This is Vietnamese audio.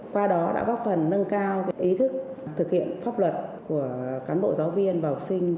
qua đó đã góp phần nâng cao ý thức thực hiện pháp luật của cán bộ giáo viên và học sinh